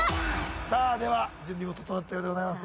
さあでは準備も整ったようでございます